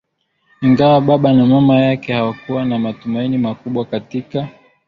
Ingawa Baba na Mama yake hawakuwa na matumaini makubwa katika